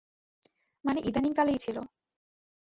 মানে, ইদানীং কালেই ছিল।